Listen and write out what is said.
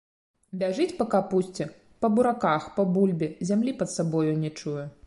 Бяжыць па капусце, па бураках, па бульбе, зямлі пад сабою не чуе.